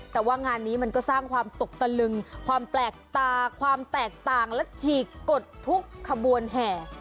แต่ว่างานนี้มันก็สร้างความตกตะลึงความแปลกตาความแตกต่างและฉีกกดทุกขบวนแห่